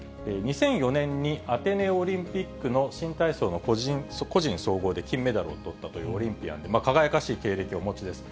２００４年にアテネオリンピックの新体操の個人総合で金メダルをとったというオリンピアンで、輝かしい経歴をお持ちです。